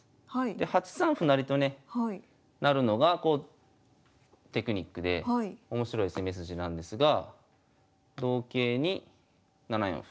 ８三歩成とね成るのがテクニックで面白い攻め筋なんですが同桂に７四歩。